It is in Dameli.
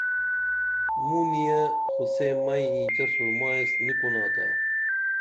موں نِیہ خو سے مئی اینچہ سُرما ایس نی کُنا تا